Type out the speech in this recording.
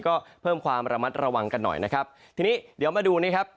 ก็เพิ่มความระมัดระวังกันหน่อยนะครับทีนี้เดี๋ยวมาดูนะครับ